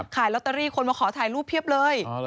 ขายลอตเตอรี่คนมาขอถ่ายรูปเพียบเลย